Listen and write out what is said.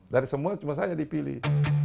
dari semua cuma saja dipilih